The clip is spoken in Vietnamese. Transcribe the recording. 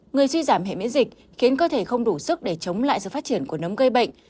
người suy giảm hệ miễn dịch khiến cơ thể không đủ sức để chống lại sự phát triển của nấm gây bệnh